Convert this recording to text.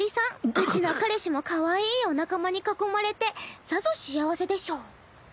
うちの彼氏もかわいいお仲間に囲まれてさぞ幸せでしょう。